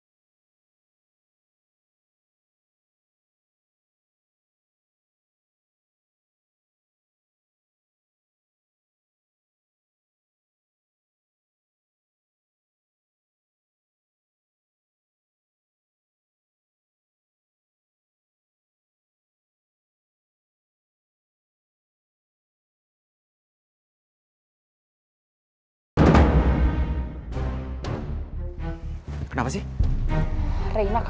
lagi terbaik jelas sih wok